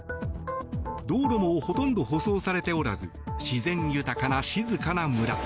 道路もほとんど舗装されておらず自然豊かな静かな村。